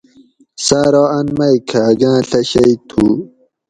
سہ ارو ان مئی کھاگاۤں ڷہ شئی تھو